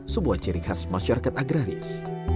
sebuah ciri khas masyarakat agraris